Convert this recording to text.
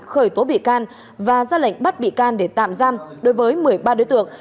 khởi tố bị can và ra lệnh bắt bị can để tạm giam đối với một mươi ba đối tượng